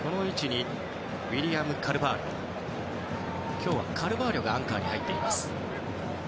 今日はカルバーリョがアンカーに入っています。